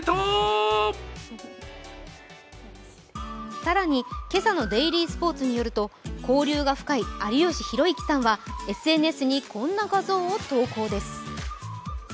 更に、今朝のデイリースポーツによると、交流が深い有吉弘行さんはＳＮＳにこんな画像と投稿です。